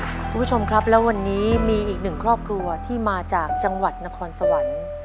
คุณผู้ชมครับแล้ววันนี้มีอีกหนึ่งครอบครัวที่มาจากจังหวัดนครสวรรค์